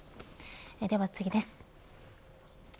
では次です。